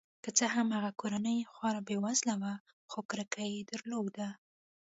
که څه هم هغه کورنۍ خورا بې وزله وه خو کرکه یې درلوده.